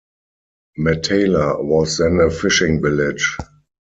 Matala was then a fishing village.